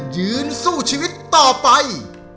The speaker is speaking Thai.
ยืนสู้ชีวิตต่อไป